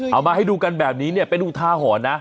เอามาให้ดูกันแบบนี้เนี่ยเป็นอุทาหรณ์นะ